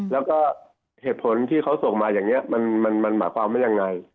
แล้วก็เหตุผลที่เขาส่งมาอย่างนี้มันหมายความว่ายังไง